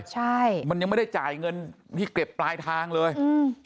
ใช่มันยังไม่ได้จ่ายเงินที่เก็บปลายทางเลยอืม